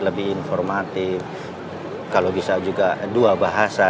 lebih informatif kalau bisa juga dua bahasa